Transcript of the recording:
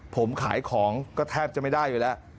ผมขายของก็แทบจะไม่ได้อยู่แล้ว